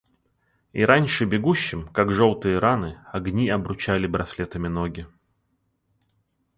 И раньше бегущим, как желтые раны, огни обручали браслетами ноги.